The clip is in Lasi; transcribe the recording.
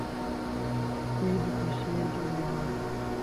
عيد خوشيءَ جو ڏينھن ائي